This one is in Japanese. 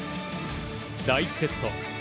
第１セット。